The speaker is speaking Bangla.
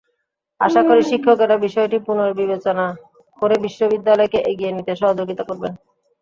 আশা করি শিক্ষকেরা বিষয়টি পুনর্বিবেচনা করে বিশ্ববিদ্যালয়কে এগিয়ে নিতে সহযোগিতা করবেন।